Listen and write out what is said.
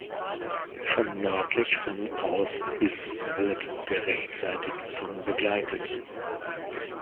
Von nördlich von aus bis wird der rechtsseitig von begleitet.